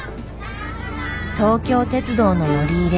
東京鉄道の乗り入れ。